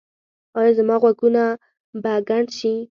ایا زما غوږونه به کڼ شي؟